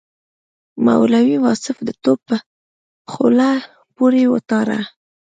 مولوي واصف د توپ په خوله پورې وتاړه.